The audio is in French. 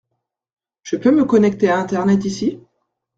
Je peux me connecter à Internet ici ?